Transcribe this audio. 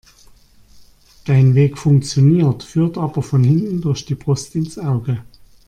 Dein Weg funktioniert, führt aber von hinten durch die Brust ins Auge.